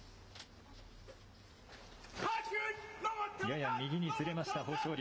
やや右にずれました、豊昇龍。